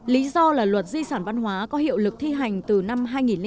lý do là luật di sản văn hóa có hiệu lực thi hành từ năm hai nghìn chín